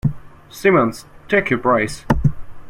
Simmons, take your prize.